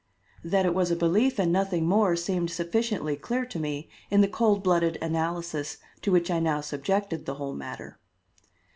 That it was a belief and nothing more seemed sufficiently clear to me in the cold blooded analysis to which I now subjected the whole matter.